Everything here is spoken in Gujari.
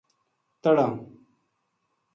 تہنا